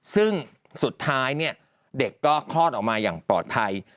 ซึ่งสุดท้ายเนี่ยเด็กก็คลอดออกมาอย่างปลอดภัย